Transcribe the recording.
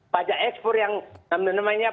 pajak ekspor yang namanya